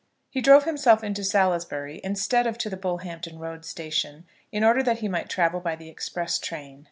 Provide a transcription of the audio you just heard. He drove himself into Salisbury instead of to the Bullhampton Road station in order that he might travel by the express train.